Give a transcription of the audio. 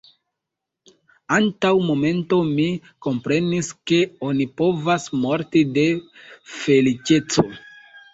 Antaŭ momento mi komprenis, ke oni povas morti de feliĉeco.